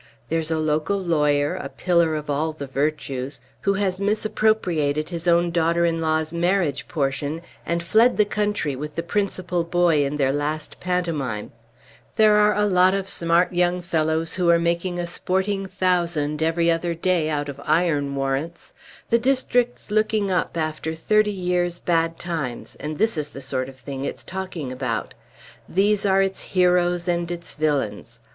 There's a local lawyer, a pillar of all the virtues, who has misappropriated his own daughter in law's marriage portion and fled the country with the principal boy in their last pantomime; there are a lot of smart young fellows who are making a sporting thousand every other day out of iron warrants; the district's looking up after thirty years' bad times; and this is the sort of thing it's talking about. These are its heroes and its villains.